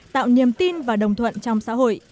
tạo niềm tin và đồng thuận trong xã hội